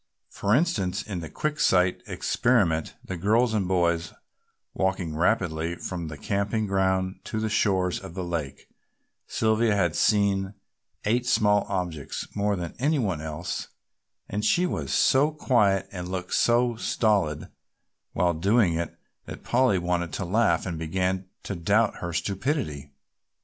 For instance, in a Quick sight experiment, the girls and boys walking rapidly from the camping ground to the shores of the lake, Sylvia had seen eight small objects more than any one else and she was so quiet and looked so stolid while doing it that Polly wanted to laugh, and began to doubt her stupidity.